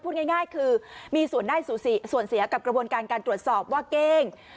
ง่ายคือมีส่วนได้ส่วนเสียกับกระบวนการการตรวจสอบว่าเก้ง